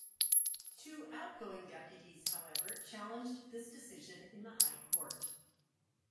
Two outgoing deputies, however, challenged this decision in the High Court.